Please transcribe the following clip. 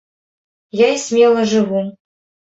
Я і смела жыву.